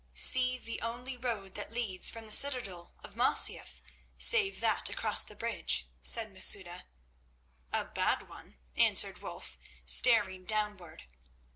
"See the only road that leads from the citadel of Masyaf save that across the bridge," said Masouda. "A bad one," answered Wulf, staring downward.